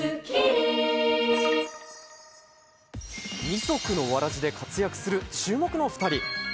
二足のわらじで活躍する注目の２人。